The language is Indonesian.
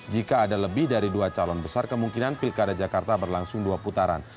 jika ada lebih dari dua calon besar kemungkinan pilkada jakarta berlangsung dua putaran